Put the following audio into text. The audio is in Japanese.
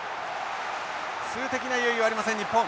数的な優位はありません日本。